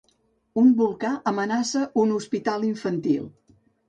Un volcà amenaça un hospital infantil.